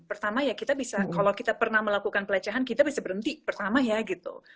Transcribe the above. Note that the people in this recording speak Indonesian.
pertama ya kita bisa kalau kita pernah melakukan pelecehan kita bisa berhenti pertama ya gitu